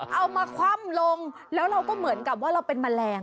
เอามาคว่ำลงแล้วเราก็เหมือนกับว่าเราเป็นแมลง